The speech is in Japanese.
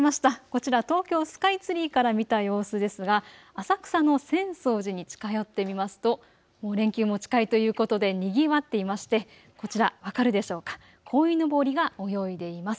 こちら、東京スカイツリーから見た様子ですが浅草の浅草寺に近寄ってみますと連休も近いということでにぎわっていまして、こちら分かるでしょうか、こいのぼりが泳いでいます。